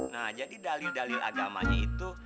nah jadi dalil dalil agamanya itu